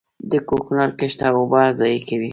د کوکنارو کښت اوبه ضایع کوي.